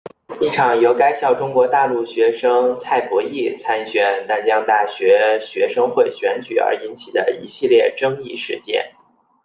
一场由该校中国大陆学生蔡博艺参选淡江大学学生会选举而引起的一系列争议事件。